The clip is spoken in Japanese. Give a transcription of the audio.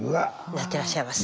なってらっしゃいます。